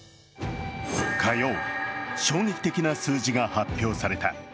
火曜、衝撃的な数字が発表された。